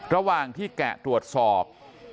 ระหว่างที่แกะตรวจสอบ